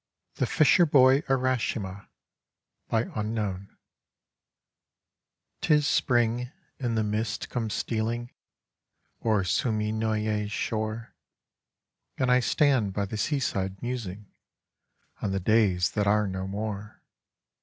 THE FISHER BOY URASHIMA 'T IS spring, and the mists come stealing O'er Suminoye's shore, And I stand by the seaside musing On the days that are no more.